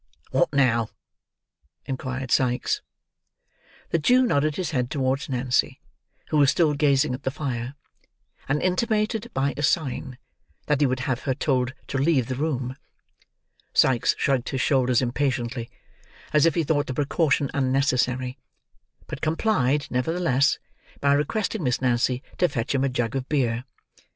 "What now?" inquired Sikes. The Jew nodded his head towards Nancy, who was still gazing at the fire; and intimated, by a sign, that he would have her told to leave the room. Sikes shrugged his shoulders impatiently, as if he thought the precaution unnecessary; but complied, nevertheless, by requesting Miss Nancy to fetch him a jug of beer.